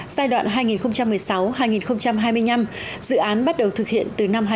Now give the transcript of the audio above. giai đoạn hai nghìn một mươi sáu hai nghìn hai mươi năm dự án bắt đầu thực hiện từ năm hai nghìn một mươi